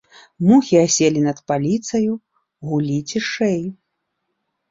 Мухі аселі над паліцаю, гулі цішэй.